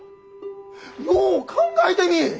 よう考えてみい！